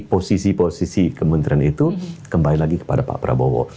posisi posisi kementerian itu kembali lagi kepada pak prabowo